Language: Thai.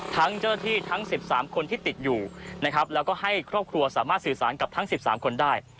ทั้งเจ้าหน้าที่ทั้ง๑๓คนที่ติดอยู่นะครับแล้วก็ให้ครอบครัวสามารถสื่อสารกับทั้ง๑๓คนได้